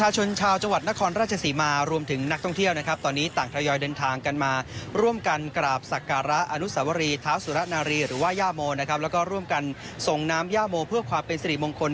เชิญครับ